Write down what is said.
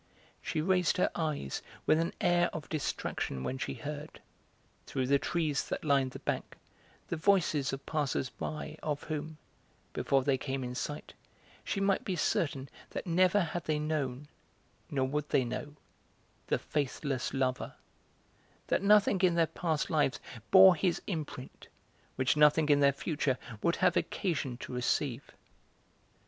She raised her eyes with an air of distraction when she heard, through the trees that lined the bank, the voices of passers by of whom, before they came in sight, she might be certain that never had they known, nor would they know, the faithless lover, that nothing in their past lives bore his imprint, which nothing in their future would have occasion to receive.